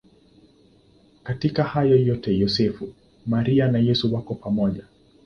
Katika hayo yote Yosefu, Maria na Yesu wako pamoja.